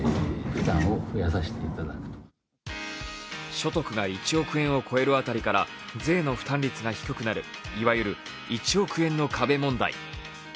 所得が１億円を超える辺りから税の負担率が低くなる、いわゆる１億円の壁問題。